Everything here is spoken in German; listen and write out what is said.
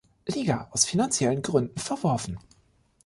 Liga aus finanziellen Gründen verworfen.